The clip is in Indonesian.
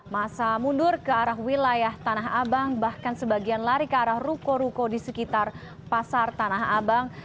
masa mundur ke arah wilayah tanah abang bahkan sebagian lari ke arah ruko ruko di sekitar pasar tanah abang